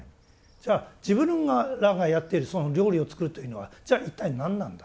じゃあ自分らがやっているその料理を作るというのはじゃあ一体何なんだ。